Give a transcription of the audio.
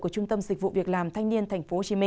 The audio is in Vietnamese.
của trung tâm dịch vụ việc làm thanh niên tp hcm